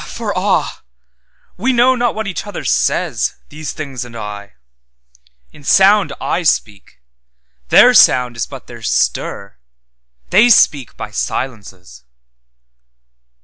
For ah! we know not what each other says, These things and I; in sound I speak—Their sound is but their stir, they speak by silences.